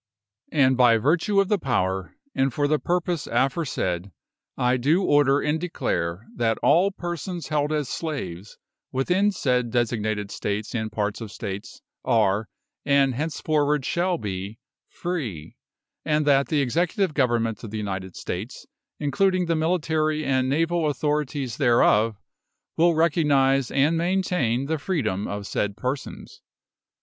And by virtue of the power, and for the purpose aforesaid, I do order and declare that all persons held as slaves within said designated states and parts of states are, and henceforward shall be, free; and that the Executive Government of the United States, including the military and naval authorities thereof, will recognise and maintain the freedom of said persons.